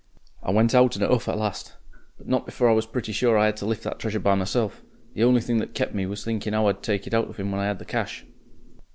"I went out in a 'uff at last. But not before I was pretty sure I 'ad to lift that treasure by myself. The only thing that kep' me up was thinking 'ow I'd take it out of 'im when I 'ad the cash."